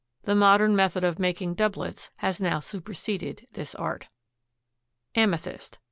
The modern method of making doublets has now superseded this art. Amethyst.